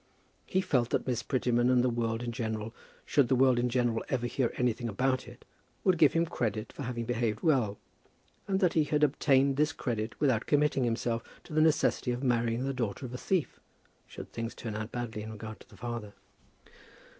He felt that Miss Prettyman and the world in general, should the world in general ever hear anything about it, would give him credit for having behaved well; and that he had obtained this credit without committing himself to the necessity of marrying the daughter of a thief, should things turn out badly in regard to the father.